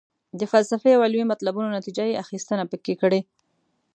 د فلسفي او علمي مطلبونو نتیجه یې اخیستنه پکې کړې.